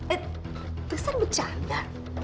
eh besar bercanda